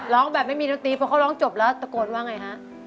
ร้องแบบไม่มีดนตรีเพราะเขาร้องจบแล้วตะโกนว่าไงฮะ